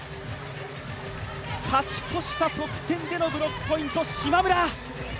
勝ち越した得点でのブロックポイント、島村！